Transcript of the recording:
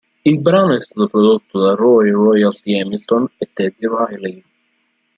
Il brano è stato prodotto da Roy "Royalty" Hamilton e Teddy Riley.